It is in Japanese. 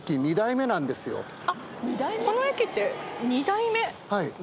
この駅って２代目⁉はい。